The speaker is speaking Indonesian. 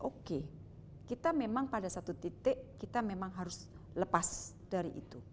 oke kita memang pada satu titik kita memang harus lepas dari itu